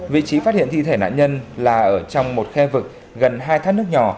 vị trí phát hiện thi thể nạn nhân là ở trong một khe vực gần hai thác nước nhỏ